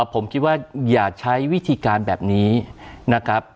ผมคิดว่าอย่าใช้วิธีการแบบนี้นะครับ